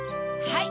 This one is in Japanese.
はい。